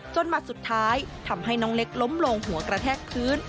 หมัดสุดท้ายทำให้น้องเล็กล้มลงหัวกระแทกพื้น